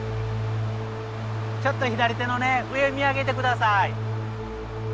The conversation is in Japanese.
ちょっと左手の上見上げて下さい。